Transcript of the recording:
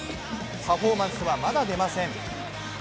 パフォーマンスは、まだ出ません。